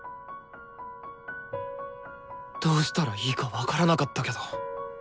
どうしたらいいか分からなかったけど。